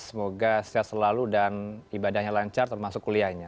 semoga sehat selalu dan ibadahnya lancar termasuk kuliahnya